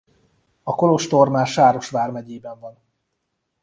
A kolostor már Sáros vgyében van.